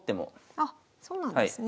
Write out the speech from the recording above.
あそうなんですね。